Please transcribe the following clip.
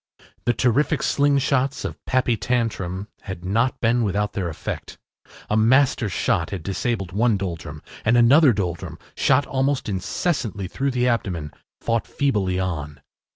The terrific slingshots of Pappy Tantrum had not been without their effect. A master shot had disabled one Doldrum, and another Doldrum, shot almost incessantly through the abdomen, fought feebly on.